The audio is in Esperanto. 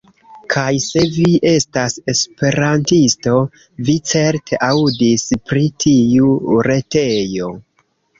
Kaj se vi estas Esperantisto, vi certe aŭdis pri tiu retejo.